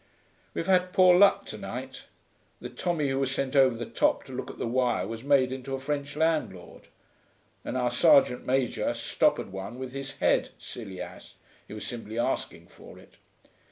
We've had poor luck to night; the Tommy who was sent over the top to look at the wire was made into a French landlord, and our sergeant major stopped one with his head, silly ass, he was simply asking for it.